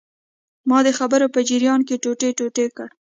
ما د خبرو په جریان کې ټوټې ټوټې کړ.